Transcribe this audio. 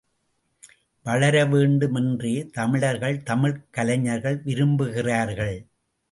வளர வேண்டும் என்றே தமிழர்கள், தமிழ்க் கலைஞர்கள் விரும்புகிறார்கள்.